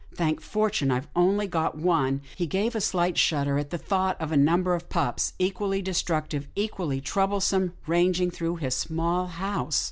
Thank fortune, I've only one," and he gave a slight shudder at the thought of a number of pups, equally destructive, equally troublesome, ranging through his small house.